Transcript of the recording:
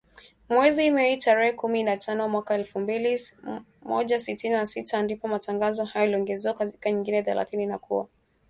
Mwezi Mei, tarehe kumi na tano mwaka elfu moja sitini na sita, ndipo matangazo hayo yaliongezewa dakika nyingine thelathini na kuwa matangazo ya saa moja